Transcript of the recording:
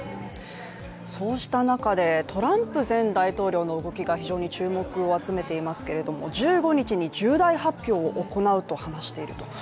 そうした中で、トランプ前大統領の動きが非常に注目を集めていますけれども、１５日に重大発表を行うと話していると。